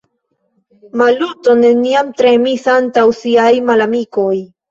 Maluto neniam tremis antaŭ siaj malamikoj.